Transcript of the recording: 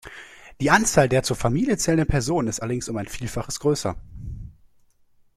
Die Anzahl der zur Familie zählenden Personen ist allerdings um ein Vielfaches größer.